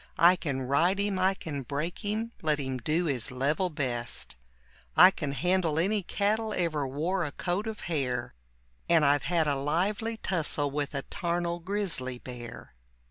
I can ride him, I can break him, let him do his level best; I can handle any cattle ever wore a coat of hair, And I've had a lively tussle with a tarnel grizzly bear.